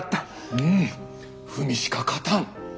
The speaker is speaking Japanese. うん文しか勝たん。